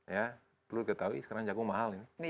ya perlu ketahui sekarang jagung mahal ini